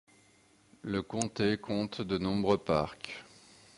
Le comté compte de nombreux parcs.